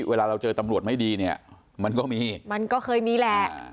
เวลาเราเจอตำรวจไม่ดีเนี่ยมันก็มีมันก็เคยมีแหละ